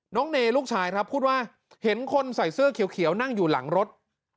น้องนานลูกชายทศพพี่คุดว่าเห็นคนใส่เสื้อเขียวนั่งอยู่หลังรถ